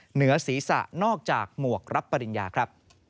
เหนือศีรษะนอกจากหมวกรับปริญญาครับ